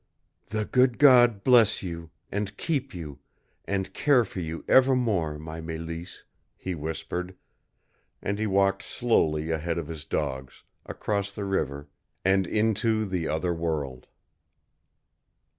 "The good God bless you, and keep you, and care for you ever more, my Mélisse," he whispered; and he walked slowly ahead of his dogs, across the river, and into the Other World.